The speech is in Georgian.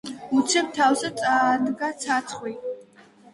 უცებ თავს წაადგა ცაცხვი.